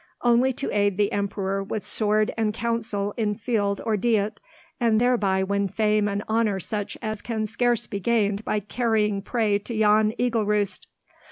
"Only to aid the Emperor with sword and counsel in field or Diet, and thereby win fame and honour such as can scarce be gained by carrying prey to yon eagle roost."